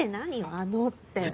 「あの」って。